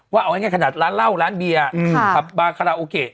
ว่าเอาอย่างงี้ขนาดร้านเหล้าร้านเบียร์บาร์คาราโอเค